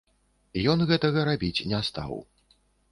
Ён гэтага рабіць не стаў.